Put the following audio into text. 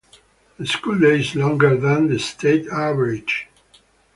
The school day is longer than the state average.